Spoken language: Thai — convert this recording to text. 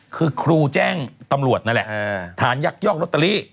คือครูแจ้งตำรวจนั่นแหละฐานยักยอกรถตะลิ